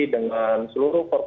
dengan seluruh korporasi